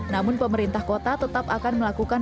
namun pemerintah kota tetap akan melakukan